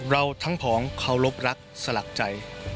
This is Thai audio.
เราทั้งผองเคารพรักสลักใจ